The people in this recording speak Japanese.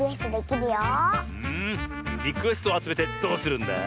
リクエストをあつめてどうするんだ？